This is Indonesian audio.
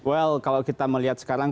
well kalau kita melihat sekarang